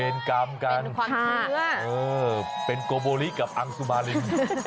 น่ารู้งาน